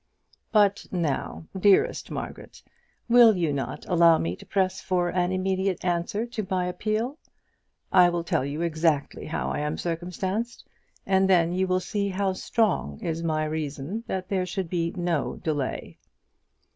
But now, dearest Margaret, will you not allow me to press for an immediate answer to my appeal? I will tell you exactly how I am circumstanced, and then you will see how strong is my reason that there should be no delay.